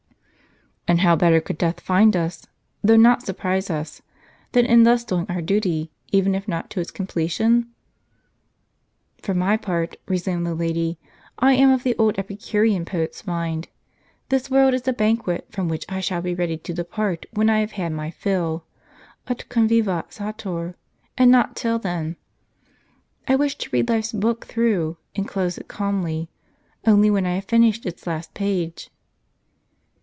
" And how better could death find us, though not surprise us, than in thus doing our duty, even if not to its comple tion ?"" For my part," resumed the lady, "I am of the old Epicurean poet's mind. This world is a banquet, from which I shall be ready to depart when I have had my fill — ut conviva satur* — and not till then. I wish to read life's book through, and close it calmly, only when I have finished its last page."